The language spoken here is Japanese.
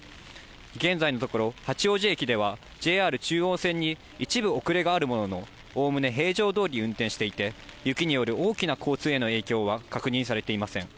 現在のところ八王子駅ではＪＲ中央線に一部遅れがあるものの、おおむね平常どおり運転していて、雪による大きな交通への影響は確認されていません。